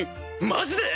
マジで？